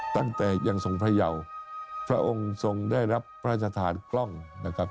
ตั้งแต่ยังทรงพระเยาพระองค์ทรงได้รับพระราชทานกล้องนะครับ